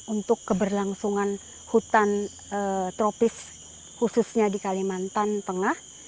untuk keberlangsungan hutan tropis khususnya di kalimantan tengah